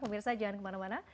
pemirsa jangan kemana mana